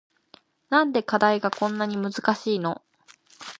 なんで課題がこんなに難しいの